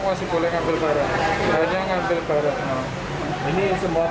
mengulangkan barang ini